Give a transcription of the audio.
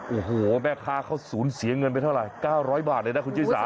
โอ้โหแม่ค้าเขาสูญเสียเงินไปเท่าไหร่๙๐๐บาทเลยนะคุณชิสา